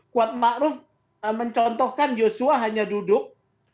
kuat ma'ruf mencontohkan yosua hanya duduk